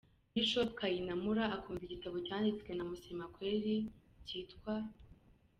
Bishop Kayinamura akunda igitabo cyanditswe na Musemakweri kitwa E.